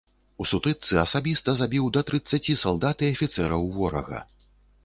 У сутычцы асабіста забіў да трыццаці салдат і афіцэраў ворага.